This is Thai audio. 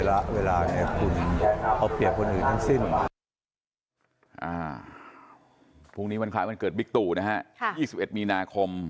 อ่าพรุ่งนี้วันคลายวันเกิดนะฮะค่ะยี่สิบเอ็ดมีนาคม